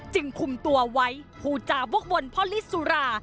จึงคุมตัวไว้ภูจาวกวลพลิสุรา